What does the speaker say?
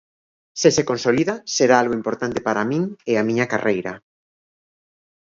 Se se consolida será algo importante para min e a miña carreira.